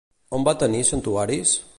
On va tenir santuaris?